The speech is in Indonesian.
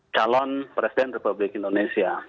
calon presiden republik indonesia